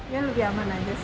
ya lebih aman aja sih